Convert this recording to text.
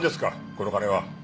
この金は。